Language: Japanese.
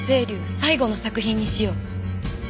最後の作品にしよう。